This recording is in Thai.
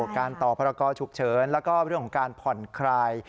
การต่อพรกรฉุกเฉินแล้วก็เรื่องของการผ่อนคลาย